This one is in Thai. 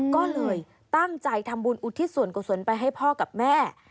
ก็เลยตั้งใจทำบุญอุทิศส่วนกุศลไปให้พ่อกับแม่